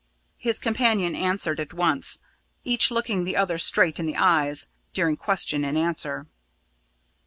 His companion answered at once, each looking the other straight in the eyes during question and answer.